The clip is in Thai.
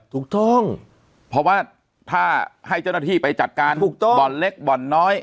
ถูกต้องเพราะว่าถ้าให้เจ้าหน้าที่ไปจัดการบ่อนเล็กบ่อนน้อย